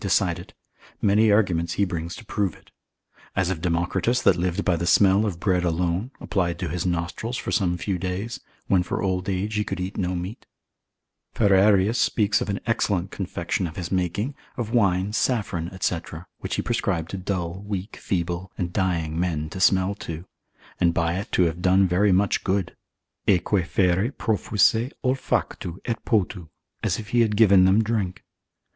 decide it; many arguments he brings to prove it; as of Democritus, that lived by the smell of bread alone, applied to his nostrils, for some few days, when for old age he could eat no meat. Ferrerius, lib. 2. meth. speaks of an excellent confection of his making, of wine, saffron, &c., which he prescribed to dull, weak, feeble, and dying men to smell to, and by it to have done very much good, aeque fere profuisse olfactu, et potu, as if he had given them drink.